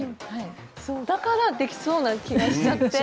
だからできそうな気がしちゃって。